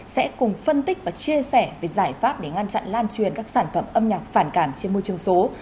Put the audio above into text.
sẽ cùng phân tích và chia sẻ về giải pháp để ngăn chặn lan truyền các sản phẩm âm nhạc phản cảm trên môi trường số